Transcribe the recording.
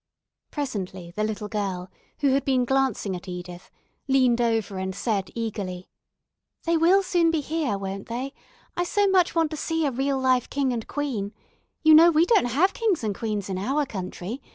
Presently the little girl, who had been glancing at Edith, leaned over and said, eagerly: "They will soon be here, won't they? I so much want to see a real live king and queen. You know we don't have kings and queens in our country.